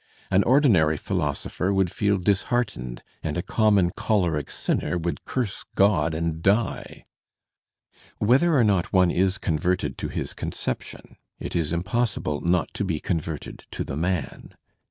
An ordinary philosopher would feel disheartened, and a common choleric sinner would curse Grod and die!" Whether or not one is converted to his conception, it is impossible not to be a converted to the m an.